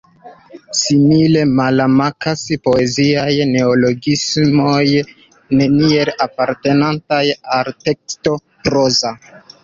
Simile malmankas poeziaj neologismoj, neniel apartenantaj al teksto proza.